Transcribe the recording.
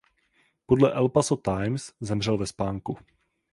Podle El Paso Times zemřel ve spánku.